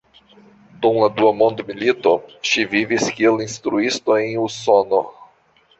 Dum la Dua Mondmilito ŝi vivis kiel instruisto en Usono.